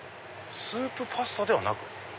スープパスタではなく。